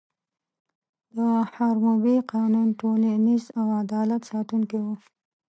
د حموربي قانون ټولنیز او عدالت ساتونکی و.